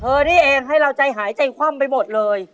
นี่เองให้เราใจหายใจคว่ำไปหมดเลย